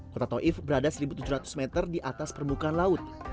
kota taif berada satu tujuh ratus meter di atas permukaan laut